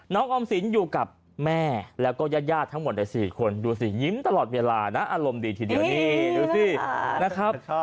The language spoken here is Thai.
ออมสินอยู่กับแม่แล้วก็ญาติทั้งหมดใน๔คนดูสิยิ้มตลอดเวลานะอารมณ์ดีทีเดียวนี่ดูสินะครับ